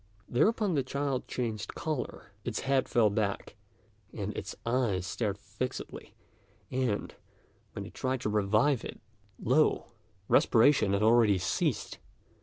Thereupon the child changed colour; its head fell back, and its eyes stared fixedly, and, when they tried to revive it, lo! respiration had already ceased.